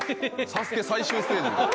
『ＳＡＳＵＫＥ』最終ステージの。